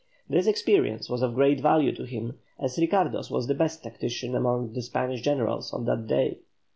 This experience was of great value to him, as Ricardos was the best tactician among the Spanish generals of that day.